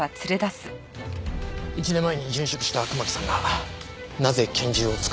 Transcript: １年前に殉職した熊木さんがなぜ拳銃を使わなかったのか。